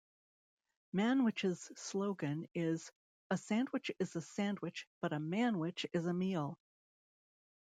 Manwich's slogan is, A sandwich is a sandwich, but a Manwich is a meal.